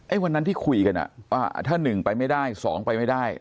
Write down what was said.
วันนั้นที่คุยกันอ่ะว่าถ้า๑ไปไม่ได้๒ไปไม่ได้